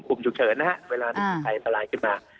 กลุ่มฉุกเฉินเวลาถักใจอันตรายขึ้นมา